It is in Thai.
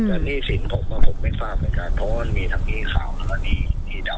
แต่หนี้สินผมก็ผมไม่ฟังเหมือนกันเพราะมีทั้งหนี้ขาวและหนี้ดำ